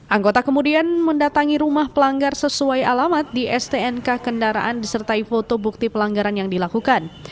anggota kemudian mendatangi rumah pelanggar sesuai alamat di stnk kendaraan disertai foto bukti pelanggaran yang dilakukan